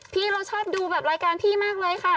พี่เราชอบดูแบบรายการพี่มากเลยค่ะ